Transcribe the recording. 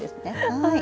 はい。